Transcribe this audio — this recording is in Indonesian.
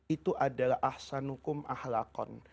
itu adalah ahsanukum ahlakon